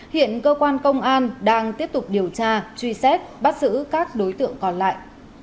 hiện cơ quan công an đang tiếp tục điều tra truy xét bắt giữ các đối tượng còn lại